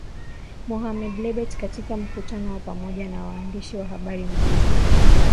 Mohamed Lebatt katika mkutano wa pamoja na waandishi wa habari mjini